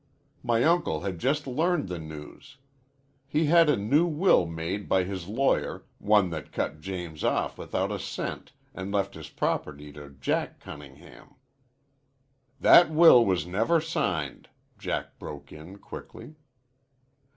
My uncle had just learned the news. He had a new will made by his lawyer, one that cut James off without a cent an' left his property to Jack Cunningham." "That will was never signed," Jack broke in quickly.